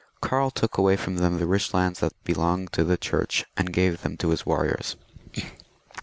Karl took away from them the rich lands that belonged to the Church, and gave them to his warriors.